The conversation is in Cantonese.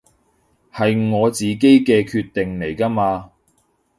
係我自己嘅決定嚟㗎嘛